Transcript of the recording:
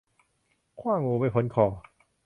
ขว้างงูไม่พ้นคอ